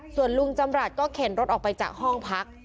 ส่วนลุงจำรัฐก็เข็นรถออกไปจากห้องพัก